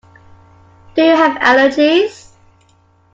Do you have allergies?